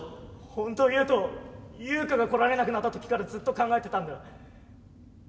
本当言うとユウカが来られなくなった時からずっと考えてたんだ。